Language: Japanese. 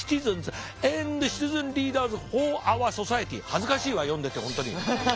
恥ずかしいわ読んでて本当に。